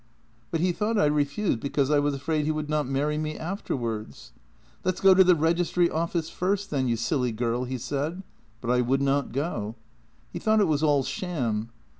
" But he thought I refused because I was afraid he would not marry me afterwards. ' Let's go to the registry office first, then, you silly girl,' he said, but I would not go. He thought it was all sham.